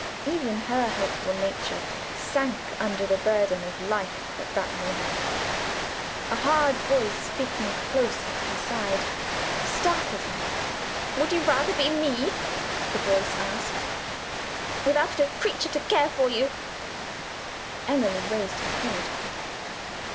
Even her hopeful nature sank under the burden of life at that moment. A hard voice, speaking close at her side, startled her. "Would you rather be Me," the voice asked, "without a creature to care for you?" Emily raised her head.